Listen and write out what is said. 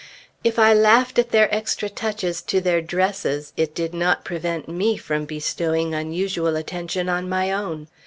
If I laughed at their extra touches to their dresses, it did not prevent me from bestowing unusual attention on my own.